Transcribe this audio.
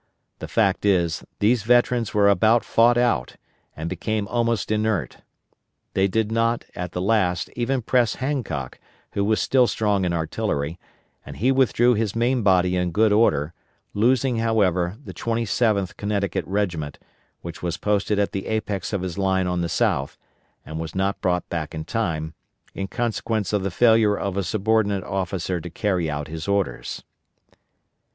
The fact is, these veterans were about fought out, and became almost inert. They did not, at the last, even press Hancock, who was still strong in artillery, and he withdrew his main body in good order, losing however, the 27th Connecticut regiment, which was posted at the apex of his line on the south, and was not brought back in time, in consequence of the failure of a subordinate officer to carry out his orders.